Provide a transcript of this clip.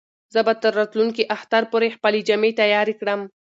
زه به تر راتلونکي اختر پورې خپلې جامې تیارې کړم.